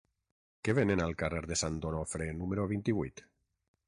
Què venen al carrer de Sant Onofre número vint-i-vuit?